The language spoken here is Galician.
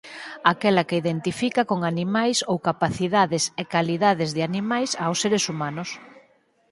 Aquela que identifica con animais ou capacidades e calidades de animais aos seres humanos.